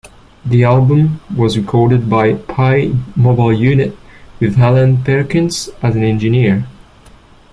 The album was recorded by the Pye Mobile Unit, with Alan Perkins as engineer.